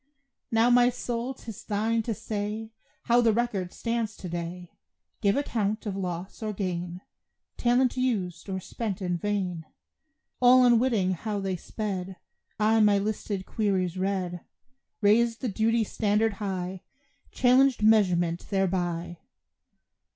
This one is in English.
Now, my soul, 'tis thine to say How the record stands to day Give account of loss or gain, Talent used or spent in vain. All unwitting how they sped I my listed queries read; Raised the duty standard high, Challenged measurement thereby.